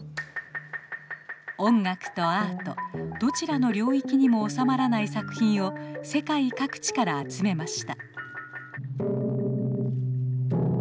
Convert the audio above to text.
音楽とアートどちらの領域にも収まらない作品を世界各地から集めました。